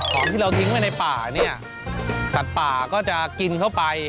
ของที่เราทิ้งไว้ในป่าเนี่ยสัตว์ป่าก็จะกินเข้าไป